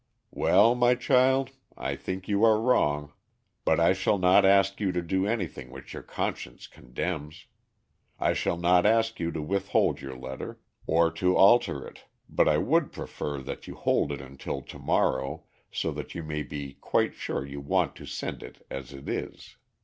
"Well, my child, I think you are wrong, but I shall not ask you to do anything which your conscience condemns. I shall not ask you to withhold your letter, or to alter it, but I would prefer that you hold it until to morrow, so that you may be quite sure you want to send it as it is.